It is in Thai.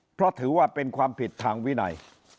เพราะถือว่าเป็นความผิดทางวินัย